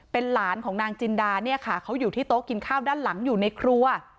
เป็นหลานของนางจินดาเนี่ยค่ะเขาอยู่ที่โต๊ะกินข้าวด้านหลังอยู่ในครัว